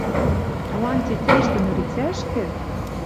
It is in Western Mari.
«Туан тетяштӹм ӧлицӓшкӹ?!